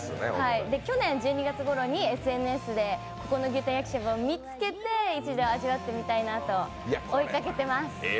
去年１２月ごろにＳＮＳで、ここの牛タン焼きしゃぶを見つけて一度、味わってみたいなと追いかけています。